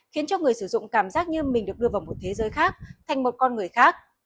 khiến cho người sử dụng cảm giác như mình được đưa vào một thế giới khác thành một con người khác